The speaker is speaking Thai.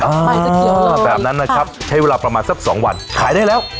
ใบจะเขียวเลยแบบนั้นนะครับใช้เวลาประมาณสักสองวันขายได้แล้ว